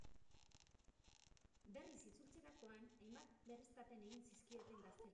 Berriz itzultzerakoan hainbat berriztapen egin zizkioten gazteluari.